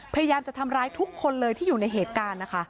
พยายามจะทำร้ายทุกคนเลยที่อยู่ในเหตุการณ์นะคะ